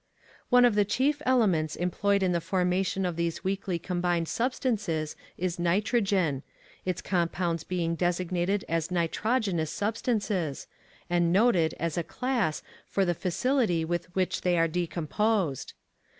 One of the chief elements employed in the formation of these weakly combined substances is nitrogen its compounds being designated as nitrogenous substances, and noted, as a class, for the facility with which they are decomposed.